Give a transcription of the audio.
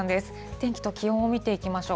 天気と気温を見ていきましょう。